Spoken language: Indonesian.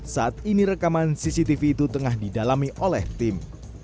saat ini rekaman cctv itu tengah didalami oleh tim